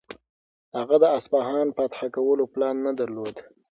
هغه د اصفهان فتح کولو پلان نه درلود.